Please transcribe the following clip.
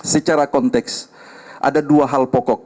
secara konteks ada dua hal pokok